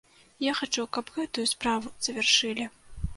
Я хачу, каб гэтую справу завяршылі.